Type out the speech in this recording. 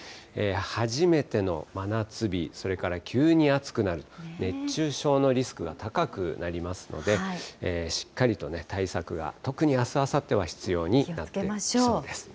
初めての真夏日、それから急に暑くなる、熱中症のリスクが高くなりますので、しっかりと対策が、特にあす、あさっては必要になってきそうです。